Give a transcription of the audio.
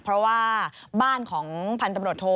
เพราะว่าบ้านของพันธบรรดโท